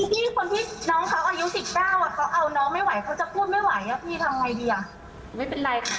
พี่คนที่น้องเค้าอายุ๑๙อ่ะเค้าเอาน้องไม่ไหวเค้าจะพูดไม่ไหวอ่ะพี่ทำไมดีอ่ะ